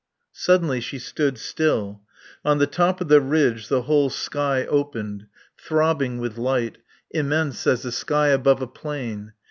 Suddenly she stood still. On the top of the ridge the whole sky opened, throbbing with light, immense as the sky above a plain.